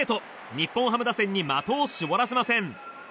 日本ハム打線に的を絞らせません。